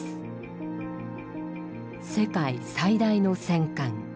世界最大の戦艦。